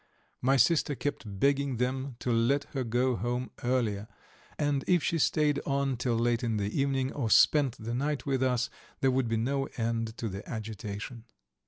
My sister kept begging them to let her go home earlier, and if she stayed on till late in the evening, or spent the night with us, there would be no end to the agitation.